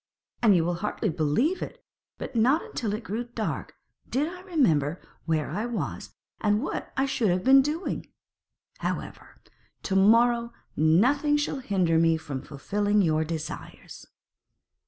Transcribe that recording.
And you will hardly believe it but not until it grew dark did I remember where I was and what I should have been doing. However, to morrow nothing shall hinder me from fulfilling your desires.'